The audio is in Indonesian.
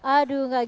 aduh gak gitu